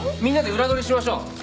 みんなで裏取りしましょう。